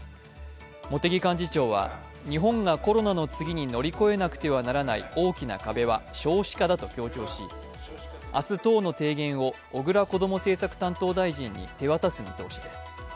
茂木幹事長は、日本がコロナの次に乗り越えなくてはならない大きな壁は少子化だと強調し、明日党の提言を小倉こども政策担当大臣に手渡す見通しです。